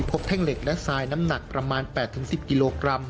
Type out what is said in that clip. แท่งเหล็กและทรายน้ำหนักประมาณ๘๑๐กิโลกรัม